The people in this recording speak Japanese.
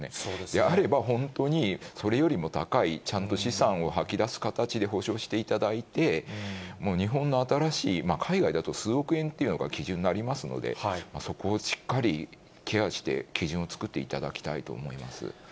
であれば、本当にそれよりも高い、ちゃんと資産を吐き出す形で補償していただいて、もう日本の新しい、海外だと数億円というのが基準になりますので、そこをしっかりケアして、基準を作っていただきたいと思います。